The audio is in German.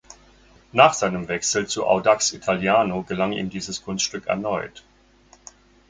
Nach seinem Wechsel zu Audax Italiano gelang ihm dieses Kunststück erneut.